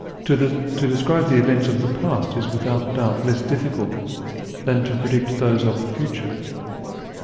To describe the events of the past is without doubt less difficult than to predict those of the future.